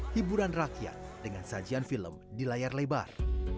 hiburan rakyat dengan sajian film di layar lebar